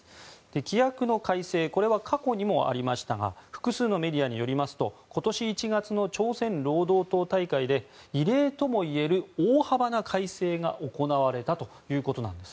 規約の改正は過去にもありましたが複数のメディアによりますと今年１月の朝鮮労働党大会で異例ともいえる大幅な改正が行われたということです。